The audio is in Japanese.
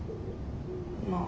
まあ。